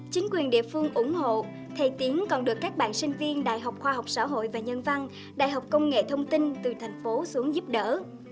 chính quyền địa phương ủng hộ thầy tiến còn được các bạn sinh viên đại học khoa học xã hội và nhân văn đại học công nghệ thông tin từ thành phố xuống giúp đỡ